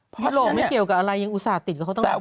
เพราะโหลไม่เกี่ยวกับอะไรยังอุตส่าห์ติดกับเขาต้องทำ